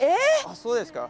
あっそうですか。